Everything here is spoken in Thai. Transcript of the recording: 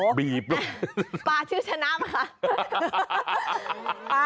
โอ้โหปลาชื่อชะนับค่ะ